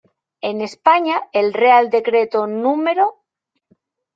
En España el Real Decreto núm.